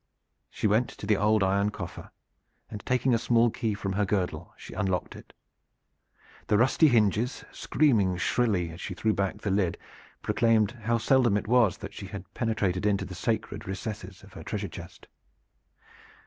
She went to the old iron coffer, and taking a small key from her girdle she unlocked it. The rusty hinges, screaming shrilly as she threw back the lid, proclaimed how seldom it was that she had penetrated into the sacred recesses of her treasure chest.